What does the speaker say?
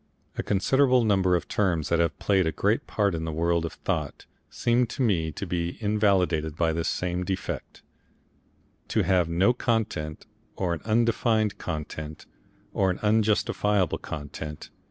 A considerable number of terms that have played a great part in the world of thought, seem to me to be invalidated by this same defect, to have no content or an undefined content or an unjustifiable content.